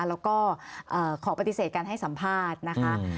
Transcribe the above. แล้วก็เอ่อขอปฏิเสธกันให้สัมภาษณ์นะคะอืม